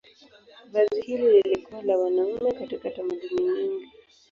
Vazi hili lilikuwa la wanaume katika tamaduni nyingi.